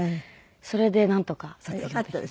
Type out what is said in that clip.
それでなんとか卒業できました。